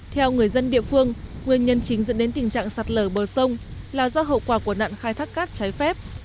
theo người dân địa phương nguyên nhân chính dẫn đến tình trạng sạt lở bờ sông là do hậu quả của nạn khai thác cát trái phép